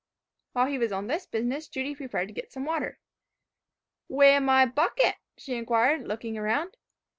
While he was on this business, Judy prepared to get some water. "Wey my bucket?" she inquired, looking around.